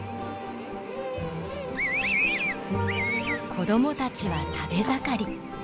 子供たちは食べ盛り。